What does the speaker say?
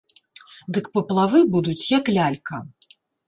Дык паплавы будуць, як лялька!